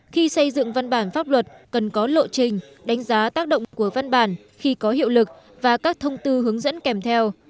khi xây dựng văn bản pháp luật cần có lộ trình đánh giá tác động của văn bản khi có hiệu lực và các thông tư hướng dẫn kèm theo